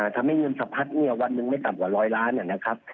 ทำให้เงินสะพัดเนี่ยวันหนึ่งไม่ต่ำกว่าร้อยล้านนะครับ